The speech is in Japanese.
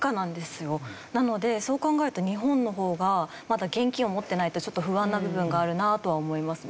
なのでそう考えると日本の方がまだ現金を持っていないとちょっと不安な部分があるなとは思いますね。